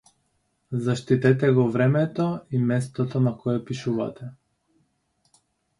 Заштитете го времето и местото на кое пишувате.